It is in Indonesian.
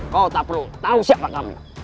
kau tak perlu tahu siapa kami